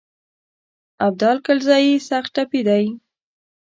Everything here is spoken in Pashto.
ابدال کلزايي سخت ټپي دی.